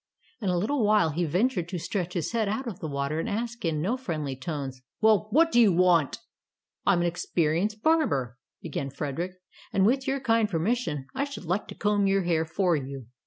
In a little while he ventured to stretch his head out of the water and ask in no friendly tones, "Well, what do you want ?" "I am an experienced barber," began Frederick, "and with your kind permission I should like to comb your hair for you.